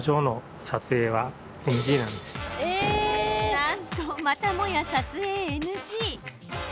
なんと、またもや撮影ＮＧ。